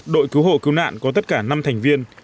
đội cứu hộ cứu nạn có tất cả năm thành viên